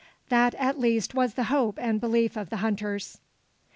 That, at least, was the hope and belief of the hunters.